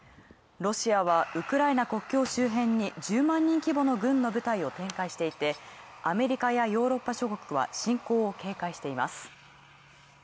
ロシアはウクライナの国境周辺に１０万人規模の軍の部隊を展開していて、アメリカやヨーロッパ諸国は侵攻を警戒しています。